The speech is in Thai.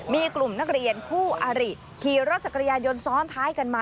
มีกลุ่มนักเรียนคู่อาริขี่รถจักรยานยนต์ซ้อนท้ายกันมา